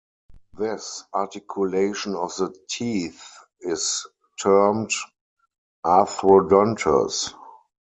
This articulation of the teeth is termed arthrodontous.